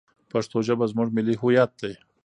پښتو ژبه زموږ ملي هویت دی.